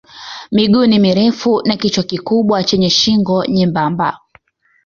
Miguu ni mirefu na kichwa kikubwa chenye shingo nyembamba.